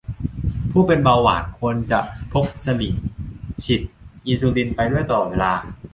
ผู้เป็นเบาหวาน ควรจะพกสลิงก์ฉีดอินซูลิน ไปด้วยตลอดเวลา